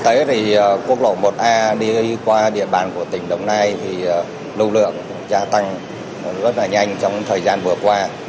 trên cái thực tế thì quốc lộ một a đi qua địa bàn của tỉnh đồng nai thì lưu lượng gia tăng rất là nhanh trong thời gian vừa qua